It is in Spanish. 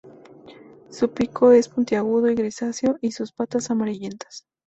Su pico es puntiagudo y grisáceo, y sus patas amarillentas.